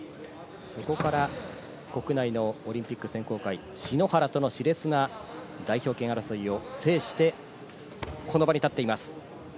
そこから国内のオリンピック選考会、篠原とのし烈な代表権争いを制して、この場に立っています。